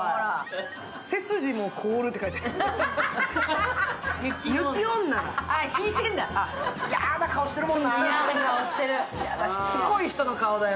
背筋も凍るって書いてあるよ。